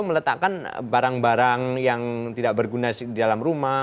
meletakkan barang barang yang tidak berguna di dalam rumah